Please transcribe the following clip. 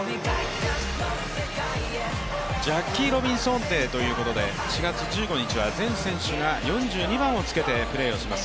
ジャッキー・ロビンソンデーということで４月１５日は全選手が４２番をつけてプレーします。